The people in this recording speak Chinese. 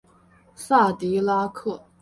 萨迪拉克。